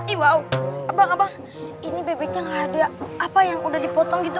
iwow apa apa ini bebeknya ada apa yang udah dipotong gitu